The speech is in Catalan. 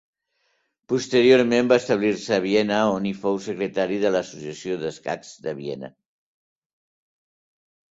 Posteriorment va establir-se a Viena, on hi fou secretari de l'Associació d'escacs de Viena.